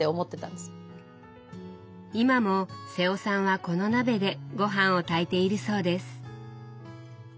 今も瀬尾さんはこの鍋でごはんを炊いているそうです。